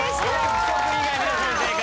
浮所君以外皆さん正解！